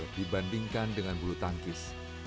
meskipun penegakan pasangan oleh bulu tangkis